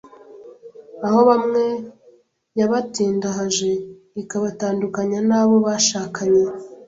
aho bamwe yabatindahaje, ikabatandukanya n’abo bashakanye,